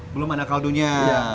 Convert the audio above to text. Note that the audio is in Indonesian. belum ada kaldunya